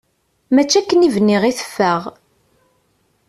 Mačči akken i bniɣ i teffeɣ.